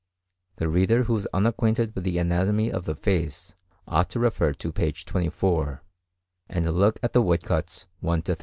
The reader who is unacquainted with the anatomy of the face, ought to refer to p. 24, and look at the woodcuts 1 to 3.